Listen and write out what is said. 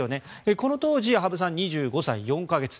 この当時、羽生さん２５歳４か月。